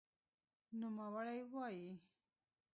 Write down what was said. نوموړی وايي